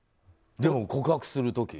でも、告白する時。